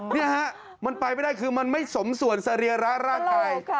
นี่ฮะมันไปไม่ได้คือมันไม่สมส่วนสรีระร่างกาย